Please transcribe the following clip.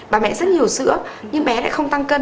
bà mẹ rất nhiều sữa nhưng bé lại không tăng cân